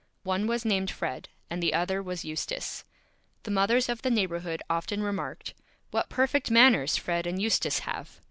One was named Fred, and the other was Eustace. The Mothers of the Neighborhood often remarked "What Perfect Manners Fred and Eustace have!"